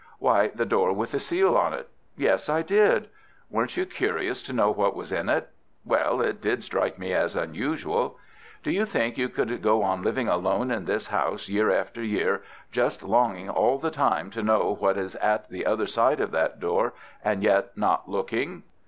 "Why, the door with the seal on it." "Yes, I did." "Weren't you curious to know what was in it?" "Well, it did strike me as unusual." "Do you think you could go on living alone in this house, year after year, just longing all the time to know what is at the other side of that door, and yet not looking?"